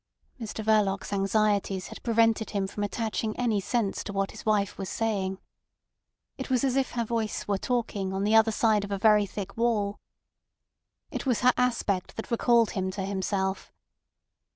Mr Verloc's anxieties had prevented him from attaching any sense to what his wife was saying. It was as if her voice were talking on the other side of a very thick wall. It was her aspect that recalled him to himself.